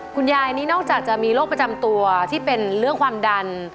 คุณยายนี่นอกจากจะมีโรคประจำตัวที่เป็นเรื่องความดัน